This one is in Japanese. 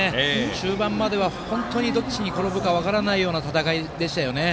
終盤までは本当にどっちに転ぶか分からないような戦いでしたよね。